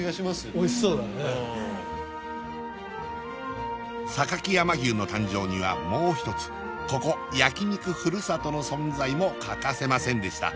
おいしそうだね榊山牛の誕生にはもう一つここ焼肉ふるさとの存在も欠かせませんでした